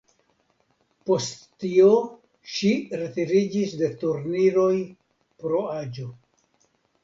Post tio ŝi retiriĝis de turniroj pro aĝo.